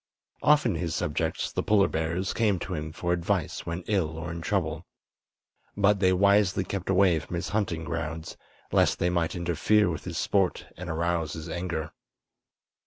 Often his subjects, the polar bears, came to him for advice when ill or in trouble; but they wisely kept away from his hunting grounds, lest they might interfere with his sport and arouse his anger.